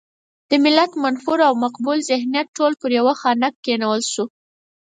د ملت منفور او مقبول ذهنیت ټول پر يوه خانک کېنول شو.